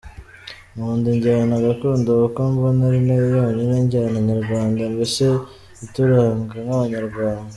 Nkunda injyana gakondo kuko mbona ari nayo yonyine njyana nyarwanda, mbese ituranga nk’Abanyarwanda.